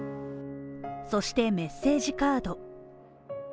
そしてメッセージカード。